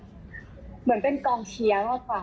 เหมือนเป็นกองเชียงนะคะ